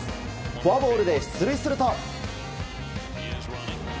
フォアボールで出塁すると。